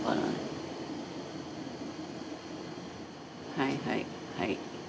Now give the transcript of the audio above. はいはいはい。